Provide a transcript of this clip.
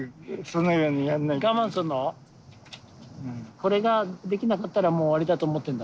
これができなかったらもう終わりだと思ってんだ？